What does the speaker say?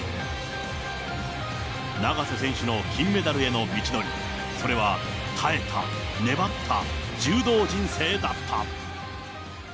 永瀬選手の金メダルへの道のり、それは、耐えた、粘った、柔道人生だった。